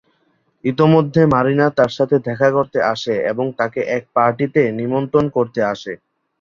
ইতোমধ্যে মারিনা তার সাথে দেখা করতে আসে এবং তাকে এক পার্টিতে নিমন্ত্রণ করতে আসে।